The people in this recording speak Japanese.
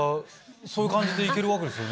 そういう感じで行けるわけですね。